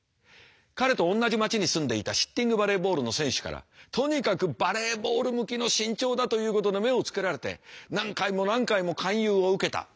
彼と同じ町に住んでいたシッティングバレーボールの選手からとにかくバレーボール向きの身長だということで目をつけられて何回も何回も勧誘を受けた。